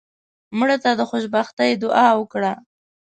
مړه ته د خوشبختۍ دعا وکړه